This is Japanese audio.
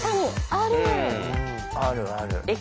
あるある。